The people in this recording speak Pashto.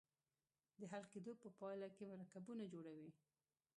د حل کیدو په پایله کې مرکبونه جوړوي.